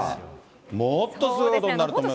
もっとすごいことになると思いますよ。